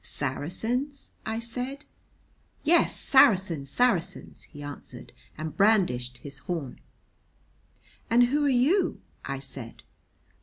"Saracens?" I said. "Yes, Saracens, Saracens," he answered and brandished his horn. "And who are you?" I said.